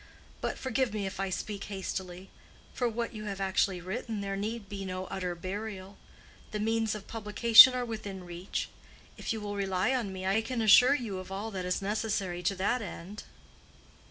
"But forgive me if I speak hastily—for what you have actually written there need be no utter burial. The means of publication are within reach. If you will rely on me, I can assure you of all that is necessary to that end."